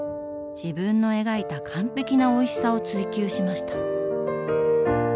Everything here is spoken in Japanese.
自分の描いた完璧なおいしさを追求しました。